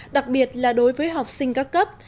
đặc biệt là đối với học sinh các cấp